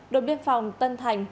đội biên phòng tân thành